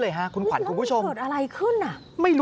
เดี๋ยวคุณเสียงนี้ที่เราได้ยินกันเนี่ย